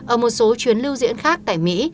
ở một số chuyến lưu diễn khác tại mỹ